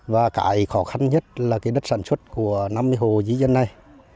và cái khó khăn nhất là cái đất sản xuất của năm mươi hồ dưới dân này